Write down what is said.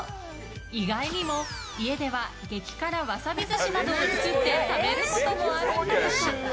意外にも家では激辛ワサビ寿司などを作って食べることもあるんだとか。